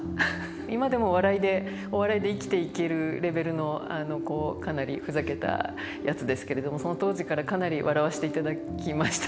今でも笑いでお笑いで生きていけるレベルのかなりふざけたやつですけれどもその当時からかなり笑わせていただきました。